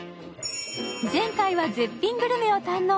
前回は絶品グルメを堪能。